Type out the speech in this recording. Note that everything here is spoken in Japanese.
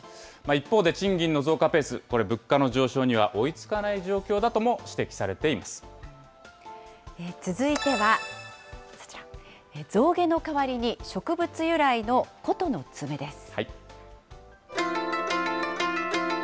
一方で、賃金の増加ペース、これ、物価の上昇には追いつかない状況続いては、そちら、象牙の代わりに植物由来の箏の爪です。